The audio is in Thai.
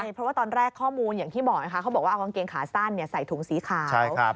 เพราะว่าตอนแรกข้อมูลอย่างที่บอกนะคะเขาบอกว่าเอากางเกงขาสั้นใส่ถุงสีขาว